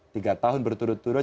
tiga tahun berturut turut